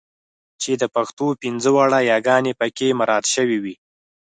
چې د پښتو پنځه واړه یګانې پکې مراعات شوې وي.